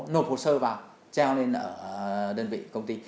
nộp hồ sơ vào treo lên ở đơn vị công ty